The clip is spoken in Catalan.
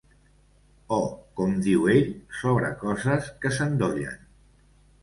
O, com diu ell, ‘sobre coses que s’endollen’.